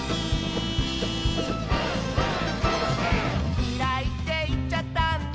「きらいっていっちゃったんだ」